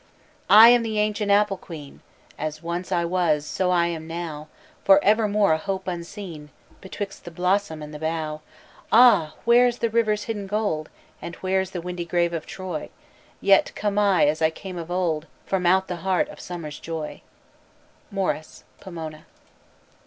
"I am the ancient apple queen. As once I was so am I now For evermore a hope unseen Betwixt the blossom and the bough. "Ah, where's the river's hidden gold! And where's the windy grave of Troy? Yet come I as I came of old, From out the heart of summer's joy." MORRIS: _Pomona.